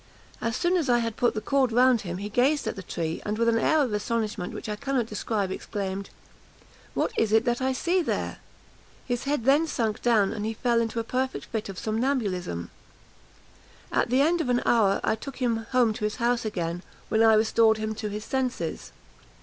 As soon as I had put the cord round him he gazed at the tree; and, with an air of astonishment which I cannot describe, exclaimed, 'What is it that I see there?' His head then sunk down, and he fell into a perfect fit of somnambulism. At the end of an hour, I took him home to his house again, when I restored him to his senses.